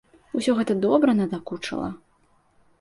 Усё гэта добра надакучыла.